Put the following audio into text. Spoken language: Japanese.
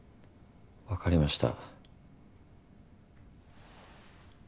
わかりました。